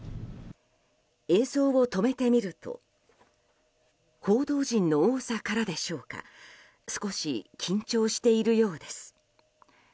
映像を止めて見ると報道陣の多さからでしょうか少し緊張しているようです。